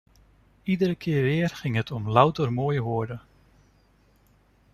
Iedere keer weer ging het om louter mooie woorden.